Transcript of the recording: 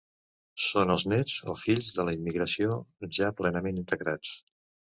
Són els néts o fills de la immigració, ja plenament integrats.